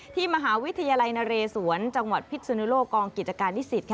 ที่มหาวิทยาลัยนเรศวรจังหวัดพิษสุนุโลกกองกิจการนิสิต